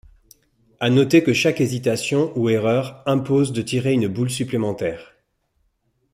À noter que chaque hésitation ou erreur impose de tirer une boule supplémentaire.